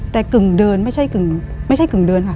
แต่กึ่งเดินไม่ใช่กึ่งเดินค่ะ